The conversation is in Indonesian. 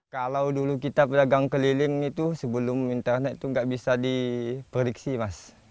kalau dulu kita pedagang keliling itu sebelum minta anak itu nggak bisa diprediksi mas